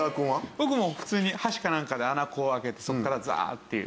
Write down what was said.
僕もう普通に箸かなんかで穴こう開けてそこからザーッていう。